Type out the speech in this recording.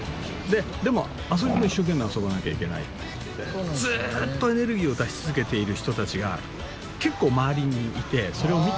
でも遊びも一生懸命遊ばなきゃいけないってずーっとエネルギーを出し続けている人たちが結構周りにいてそれを見てるから。